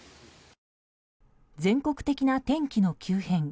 全国的な天気の急変。